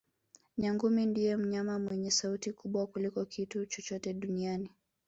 Nyangumi ndiye mnyama mwenye sauti kubwa kuliko kitu chochote duniani